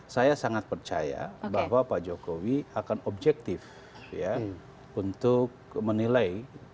saya sangat percaya bahwa pak jokowi akan objektif untuk menilai